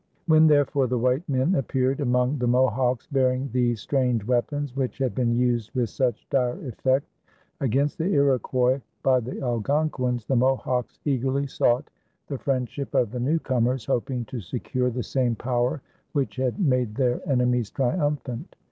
When, therefore, the white men appeared among the Mohawks, bearing these strange weapons which had been used with such dire effect against the Iroquois by the Algonquins, the Mohawks eagerly sought the friendship of the newcomers, hoping to secure the same power which had made their enemies triumphant.